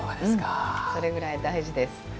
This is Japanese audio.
それぐらい大事です。